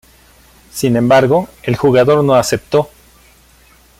Sin embargo el jugador no acepto.